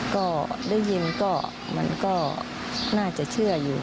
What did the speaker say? ก็ได้ยินก็มันก็น่าจะเชื่ออยู่